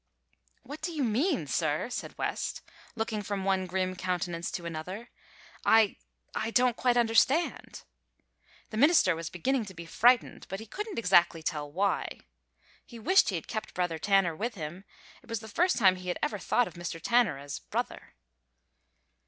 "What do you mean, sir?" said West, looking from one grim countenance to another. "I I don't quite understand." The minister was beginning to be frightened, he couldn't exactly tell why. He wished he had kept Brother Tanner with him. It was the first time he had ever thought of Mr. Tanner as "brother."